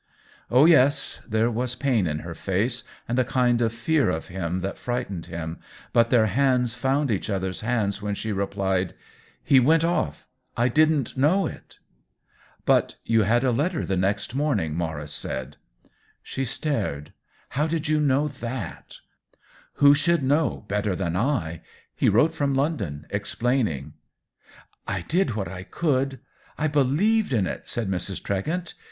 Oh, yes ; there was pain in her face, and a kind of fear of him that frightened him, but their hands found each other's hands while she replied :" He went off — I didn't know it.*' " But you had a letter the next morning,'* Maurice said. 94 THE WHEEL OF TIME She Stared. " How did you know that ?''" Who should know better than I ? He wrote from London, explaining." " I did what I could — I believed in it !" said Mrs. Tregent.